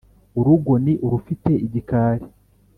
Urugo ni urufite igikali.